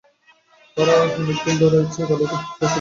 তাঁর নাকি অনেক দিনের ইচ্ছা ছিল গ্যালারিতে বসে দেখবেন বার্সেলোনার খেলা।